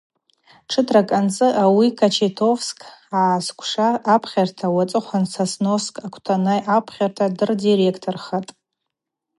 Тшытракӏ анцӏы ауи Кочетовск агӏсквша апхьарта, уацӏыхъван Сосновск аквтанай апхьарта дырдиректорхатӏ.